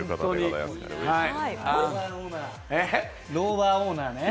ローバーオーナーね。